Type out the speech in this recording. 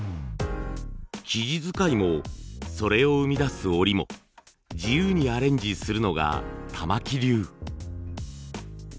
生地使いもそれを生み出す織りも自由にアレンジするのが玉木流。